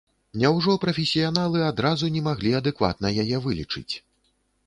Няўжо прафесіяналы адразу не маглі адэкватна яе вылічыць?